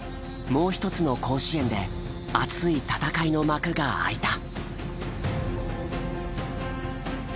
もう一つの甲子園で熱い戦いの幕が開いた。